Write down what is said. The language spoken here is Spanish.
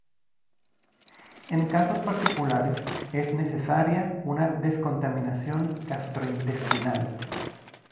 En casos particulares es necesaria una descontaminación gastrointestinal.